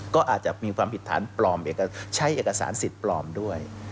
ก็อาจจะมีความผิดฐานปลอมใช้เอกสารสิทธิ์ปลอมด้วย